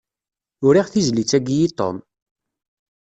Uriɣ tizlit-agi i Tom.